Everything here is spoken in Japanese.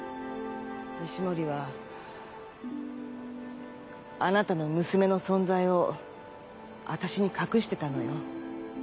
西森はあなたの娘の存在を私に隠してたのよ。